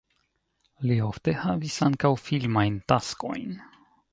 Li ofte havis ankaŭ filmajn taskojn.